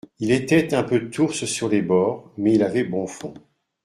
Il était un peu ours sur les bords, mais il avait bon fond.